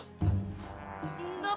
nggak pak haji